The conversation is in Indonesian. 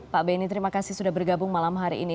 pak benny terima kasih sudah bergabung malam hari ini